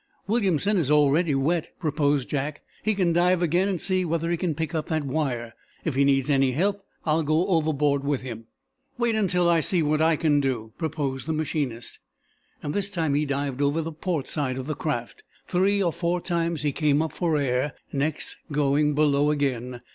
"Williamson is already wet," proposed Jack. "He can dive again, and see whether he can pick up that wire. If he needs any help, I'll go overboard with him." "Wait until I see what I can do," proposed the machinist. This time he dived over the port side of the craft. Three or four times he came up for air, next going, below again.